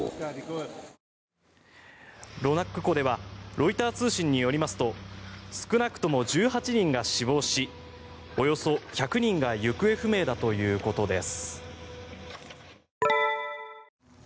ロイター通信によりますと少なくとも１８人が死亡しおよそ１００人が行方不明だということです。